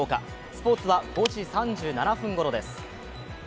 スポーツは５時３７分ごろです。